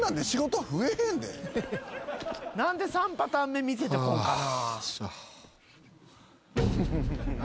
何で３パターン目見せてこんかな。